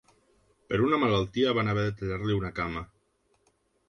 Per una malaltia, van haver de tallar-li una cama.